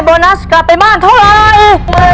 โบนัสกลับไปบ้านเท่าไร